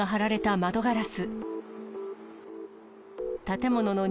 窓ガラス